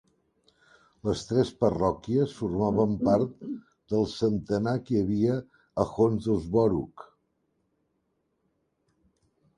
Les tres parròquies formaven part del centenar que hi havia a Houndsborough.